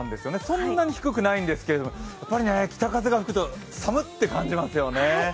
そんなに低くないんですけれども、北風が吹くと寒って感じますよね。